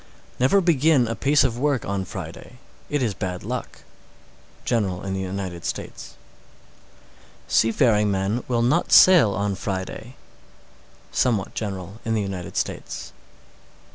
Never begin a piece of work on Friday; it is bad luck. General in the United States. 614. Seafaring men will not sail on Friday. _Somewhat general in the United States.